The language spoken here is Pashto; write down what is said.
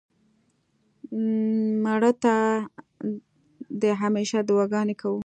مړه ته د همېشه دعا ګانې کوو